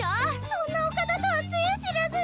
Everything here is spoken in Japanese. そんなお方とはつゆ知らず！